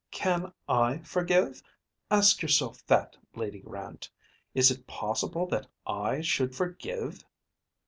Can I forgive? Ask yourself that, Lady Grant. Is it possible that I should forgive?"